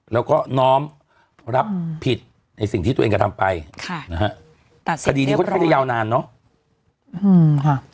แล้วก็น้อมรับผิดในสิ่งที่ตัวเองกระทำไปค่ะคดีนี้ก็ไม่ได้ยาวนานเนาะ